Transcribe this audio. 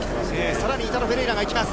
さらにイタロ・フェレイラがいきます。